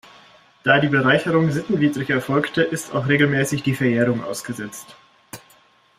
Da die Bereicherung sittenwidrig erfolgte, ist auch regelmäßig die Verjährung ausgesetzt.